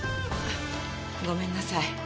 ごめんなさい。